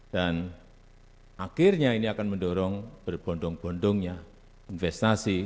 dan akhirnya ini akan mendorong berbondong bondongnya investasi